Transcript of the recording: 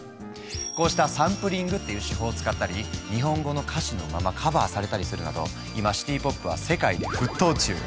こうしたサンプリングっていう手法を使ったり日本語の歌詞のままカバーされたりするなど今シティ・ポップは世界で沸騰中。